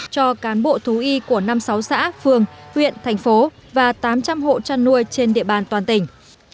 cho cán bộ thú y của năm sáu xã phường huyện thành phố và tám trăm linh hộ chăn nuôi trên địa bàn toàn tỉnh